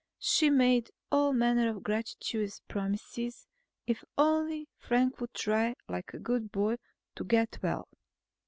She made all manner of gratuitous promises, if only Frank would try like a good boy to get well.